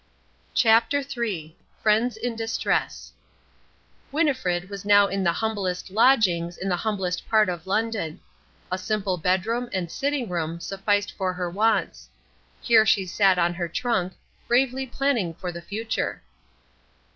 CHAPTER III FRIENDS IN DISTRESS Winnifred was now in the humblest lodgings in the humblest part of London. A simple bedroom and sitting room sufficed for her wants. Here she sat on her trunk, bravely planning for the future.